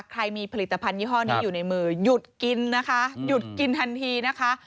ใครมีผลิตภัณฑยี่ห้อนี้อยู่ในมือหยุดกินนะคะหยุดกินทันทีนะคะ